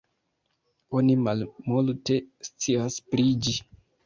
Oni malmulte scias pri ĝi.